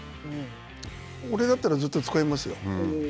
俺だったら、ずっと使いますよ。